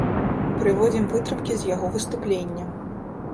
Прыводзім вытрымкі з яго выступлення.